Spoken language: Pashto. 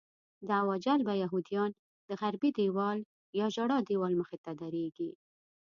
دعوه جلبه یهودیان د غربي دیوال یا ژړا دیوال مخې ته درېږي.